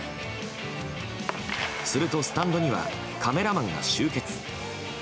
すると、スタンドにはカメラマンが集結。